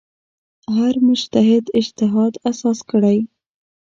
هر مجتهد اجتهاد اساس کړی.